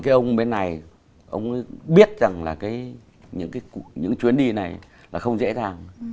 thì ông bên này ông biết rằng là những chuyến đi này là không dễ dàng